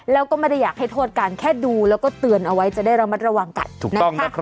แล้วก็ไม่ได้อยากให้โทษกันแค่ดูแล้วก็เตือนเอาไว้จะได้ระมัดระวังกันถูกนะคะ